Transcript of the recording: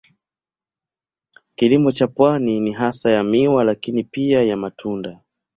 Kilimo cha pwani ni hasa ya miwa lakini pia ya matunda.